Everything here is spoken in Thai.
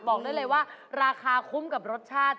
บอกได้เลยว่าราคาคุ้มกับรสชาติ